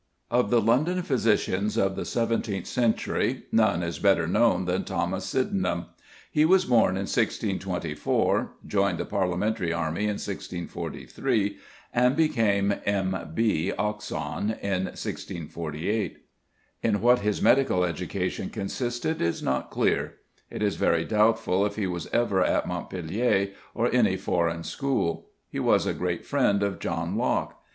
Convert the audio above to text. ] Of the London physicians of the seventeenth century none is better known than =Thomas Sydenham=. He was born in 1624, joined the Parliamentary army in 1643, and became M.B. Oxon. in 1648. In what his medical education consisted is not clear. It is very doubtful if he was ever at Montpellier or any foreign school. He was a great friend of John Locke.